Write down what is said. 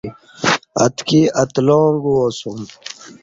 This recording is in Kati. اتکی اتلاں گوا سوم۔